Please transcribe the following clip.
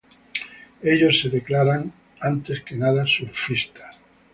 Ellos se declaran antes que nada surfistas.